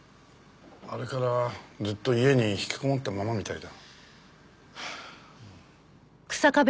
あれからずっと家にひきこもったままみたいだ。